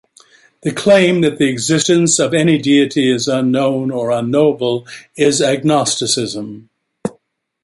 The claim that the existence of any deity is unknown or unknowable is agnosticism.